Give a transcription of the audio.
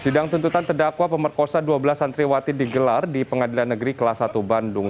sidang tuntutan terdakwa pemerkosa dua belas santriwati digelar di pengadilan negeri kelas satu bandung